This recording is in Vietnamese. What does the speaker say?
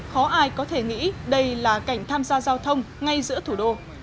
khó ai có thể nghĩ đây là cảnh tham gia giao thông ngay giữa thủ đô